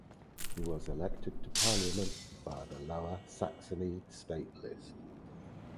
He was elected to parliament via the Lower Saxony state list.